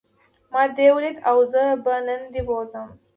ما دی وليد او زه به نن دی بوځم.